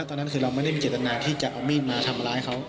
ตอนนั้นคือเราไม่ได้มีเจตนาที่จะเอามีดมาทำร้ายเขา